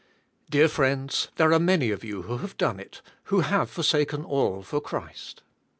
Dear friends, there are many of you who have done it, who have forsaken all for Christ.